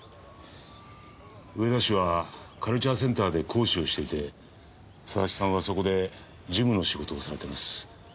上田氏はカルチャーセンターで講師をしていて佐々木さんはそこで事務の仕事をされてます。